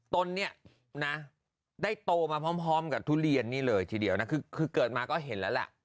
ต้นนี้นะได้โตมาพร้อมพร้อมกับทุเรียนนี่เลยทีเดียวน่ะคือคือเกิดมาก็เห็นแล้วล่ะ